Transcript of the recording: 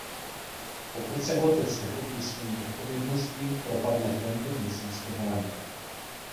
Pokud se otec nechopí svojí odpovědnosti, propadne tento měsíc dovolené.